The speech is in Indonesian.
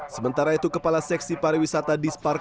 sementara itu kepala seksi pariwisata dispark